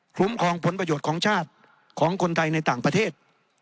คุ้มครองผลประโยชน์ของชาติของคนไทยในต่างประเทศ